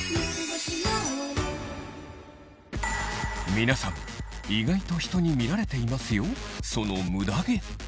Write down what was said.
皆さん意外と人に見られていますよ